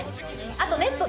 あとネットだ。